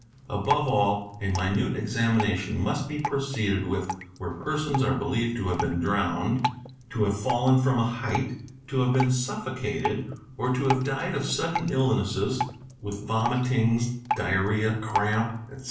_ Above all a minute examination must be proceeded with where persons La 3 18 THE INVESTIGATING OFFICER are' believed to have beet drowned, to have fallen from a height, to — have been suffocated, or to have died of sudden illnesses (with vomit ings, diarrhoea, cramp, etc.).